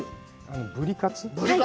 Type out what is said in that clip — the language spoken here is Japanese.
ブリカツ？